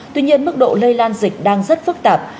tuy nhiên mức độ lây lan dịch đang rất phức tạp